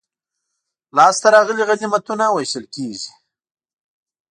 لاسته راغلي غنیمتونه وېشل کیږي.